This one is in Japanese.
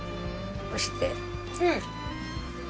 押して。